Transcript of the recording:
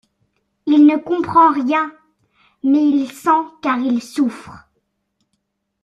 Il ne comprend rien ; mais il sent, car il souffre.